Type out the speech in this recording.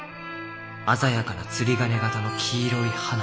鮮やかな釣り鐘形の黄色い花。